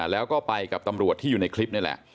แล้วก็ไปกับตำรวจที่อยู่ในคลิปนี่แหละ